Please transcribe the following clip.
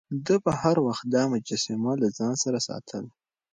ده به هر وخت دا مجسمه له ځان سره ساتله.